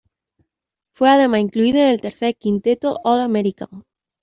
Fue además incluido en el tercer quinteto All-American.